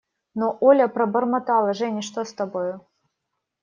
Но, Оля, – пробормотала Женя, – что с тобою?